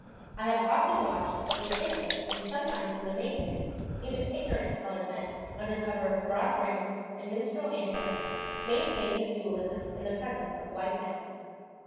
I have often watched with interest and sometimes with amazement even ignorant colored men under cover of broad grins and minstrel antics maintain this dualism in the presence of white men.